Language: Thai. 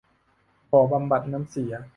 บ่อบำบัดน้ำเสีย